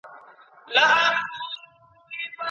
بلال په وینو رنګوي منبر په کاڼو ولي